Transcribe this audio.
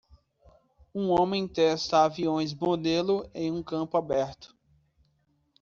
Um homem testa aviões modelo em um campo aberto.